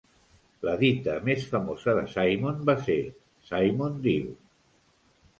La dita més famosa de Simon va ser "Simon diu!".